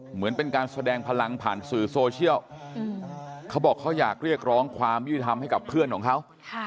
เหมือนเป็นการแสดงพลังผ่านสื่อโซเชียลเขาบอกเขาอยากเรียกร้องความยุติธรรมให้กับเพื่อนของเขา